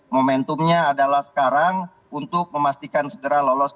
momentumnya adalah sekarang untuk memastikan segera lolos